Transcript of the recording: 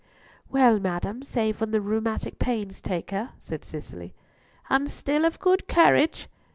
"Well, madam, save when the rheumatic pains take her," said Cicely. "And still of good courage?"